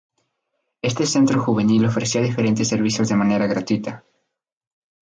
Este centro juvenil ofrecía diferentes servicios de manera gratuita.